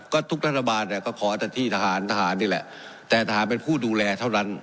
ก็ทุกรัฐบาลเนี่ยก็ขอแต่ที่ทหารทหารนี่แหละแต่ทหารเป็นผู้ดูแลเท่านั้น